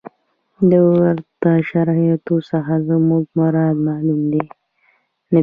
له ورته شرایطو څخه زموږ مراد معلوم دی.